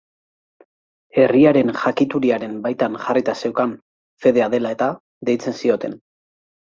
Herriaren jakituriaren baitan jarrita zeukan fedea dela eta, deitzen zioten.